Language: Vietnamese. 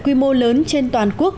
quy mô lớn trên toàn quốc